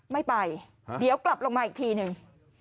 ไม่ไปเดี๋ยวกลับลงมาอีกทีหนึ่ง